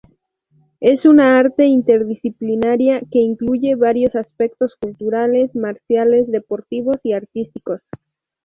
Es una arte interdisciplinaria que incluye varios aspectos culturales, marciales, deportivos y artísticos.